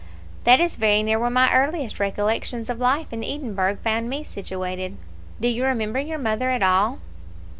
"That is very near where my earliest recollections of life in Edinburgh found me situated." "Do you remember your mother at all?"